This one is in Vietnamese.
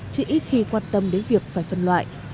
chứ ít khi quan tâm đến việc phải phân loại